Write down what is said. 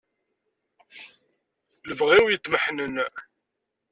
Lebɣi-w yettmeḥnen.